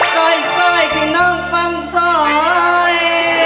สอยสอยพรุ่งน้องฟังสอย